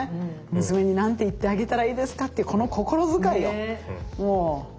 娘に何て言ってあげたらいいですかっていうこの心遣いよ。